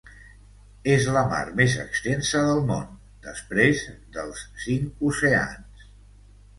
És la mar més extensa del món després dels cinc oceans.